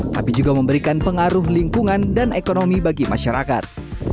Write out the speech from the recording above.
tapi juga memberikan pengaruh lingkungan dan ekonomi bagi masyarakat